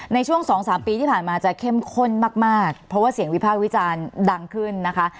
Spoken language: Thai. ในช่วง๒๓ปีที่ผ่านมาจะเข้มข้นมากเพราะว่าเสียงวิพากษ์วิจารณ์ดังขึ้นนะคะ